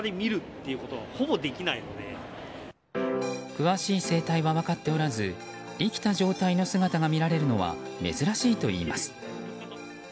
詳しい生態は分かっておらず生きた状態の姿が見られるのは珍しいといいます。